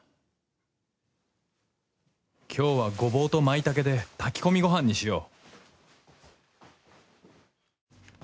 今日はゴボウとまいたけで炊き込みご飯にしよう